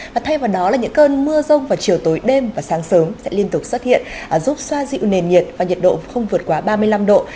và thay vào đó là những cơn mưa rông vào chiều tối đêm và sáng sớm sẽ liên tục xuất hiện giúp xoa dịu nền nhiệt và nhiệt độ không vượt quá ba mươi năm độ